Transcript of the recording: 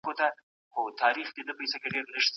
مشران وايي چي ځوانان بايد د ټولني له تېروتنو عبرت واخلي.